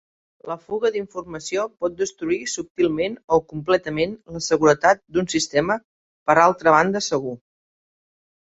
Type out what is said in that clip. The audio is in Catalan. La fuga d'informació pot destruir subtilment o completament la seguretat d'un sistema per altra banda segur.